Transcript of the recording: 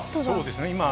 そうですね。